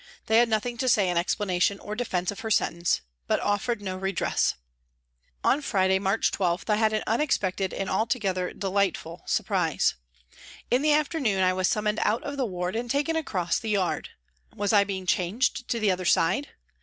They had nothing to say in explanation or defence of her sentence, but offered no redress. On Friday, March 12, I had an unexpected and altogether delightful surprise. In the afternoon I was summoned out of the ward and taken across the yard. Was I being changed to the other side